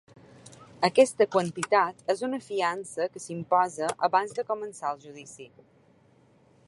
Aquesta quantitat és una fiança que s’imposa abans de començar el judici.